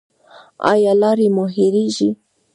ایا لارې مو هیریږي؟